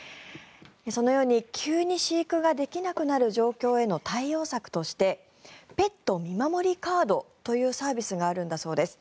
そのように急に飼育ができなくなる状況への対応策としてペットみまもりカードというサービスがあるんだそうです。